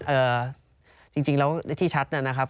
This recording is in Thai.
จริงแล้วที่ชัดนะครับ